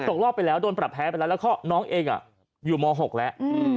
ตกรอบไปแล้วโดนปรับแพ้ไปแล้วแล้วก็น้องเองอยู่ม๖แล้ว